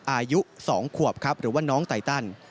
อายุ๒ขวบครับหรือว่าน้องไตตัน